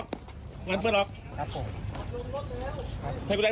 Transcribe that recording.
พลังปืนออกมันเงินออก